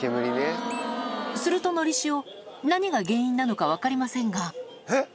すると、のりしお、何が原因なのか分かりませんが。